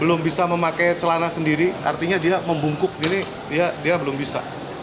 belum bisa memakai celana sendiri artinya dia membungkuk jadi dia belum bisa